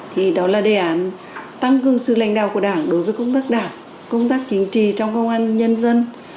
thì đó là đề án tăng cường sự lãnh đạo của đảng đối với công tác đảng công tác chính trị trong công an nhân dân